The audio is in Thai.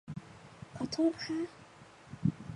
ขอโทษคะ